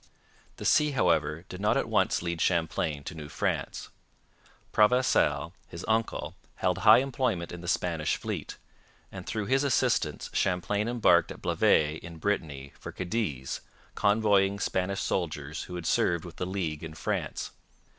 The sea, however, did not at once lead Champlain to New France. Provencal, his uncle, held high employment in the Spanish fleet, and through his assistance Champlain embarked at Blavet in Brittany for Cadiz, convoying Spanish soldiers who had served with the League in France.